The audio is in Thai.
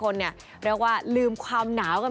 ก็ทำให้หลายคนเรียกว่าลืมความหนาวกัน